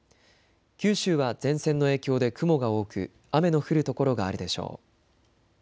九州は前線の影響で雲が多く雨の降る所があるでしょう。